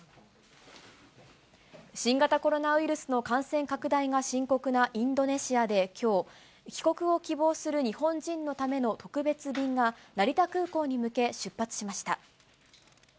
新型コロナウイルスの感染拡大が深刻なインドネシアできょう、帰国を希望する日本人のための特別便が、成田空港に向け、出発しました。